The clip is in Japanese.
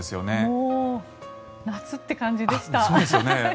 もう、夏って感じでした。